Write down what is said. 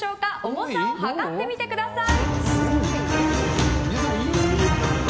重さを量ってみてください！